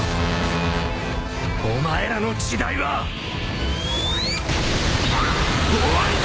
お前らの時代は終わりだ！